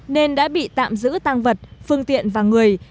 nên đã bị tạm giữ tăng vật phương tiện và người